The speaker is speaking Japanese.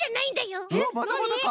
まだまだか。